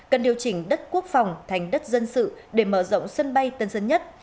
cần điều chỉnh đất quốc phòng thành đất dân sự để mở rộng sân bay tân sơn nhất